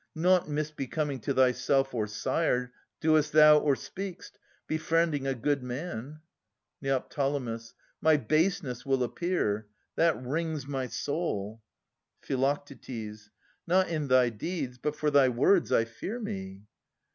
Nought misbecoming to thyself or sire Doest thou or speak'st, befriending a good man. Neo. My baseness will appear. That wrings my soul. Phi. Not in thy deeds. But for thy words, I fear me